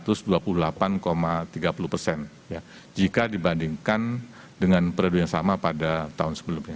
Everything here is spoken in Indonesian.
atau naik sebesar dua ratus dua puluh delapan tiga puluh persen jika dibandingkan dengan periode yang sama pada tahun sebelumnya